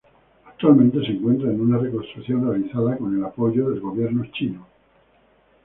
Actualmente se encuentra en una reconstrucción realizada con el apoyo del gobierno chino.